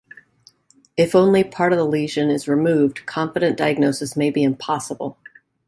If only part of the lesion is removed, confident diagnosis may be impossible.